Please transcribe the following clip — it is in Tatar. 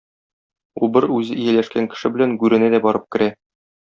Убыр үзе ияләшкән кеше белән гүренә дә барып керә.